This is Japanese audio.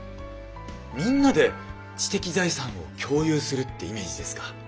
みんなで知的財産を共有するってイメージですか。